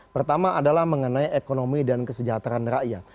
pertama adalah mengenai ekonomi dan kesejahteraan rakyat